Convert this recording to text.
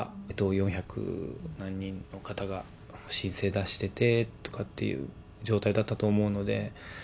四百何人の方が申請出しててとかっていう状態だったと思うので。